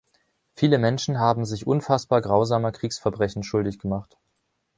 Viele Menschen haben sich unfassbar grausamer Kriegsverbrechen schuldig gemacht.